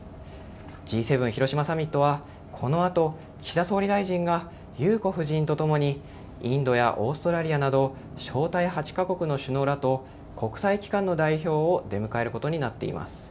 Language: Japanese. Ｇ７広島サミットはこのあと岸田総理大臣が裕子夫人とともにインドやオーストラリアなど招待８か国の首脳らと国際機関の代表を出迎えることになっています。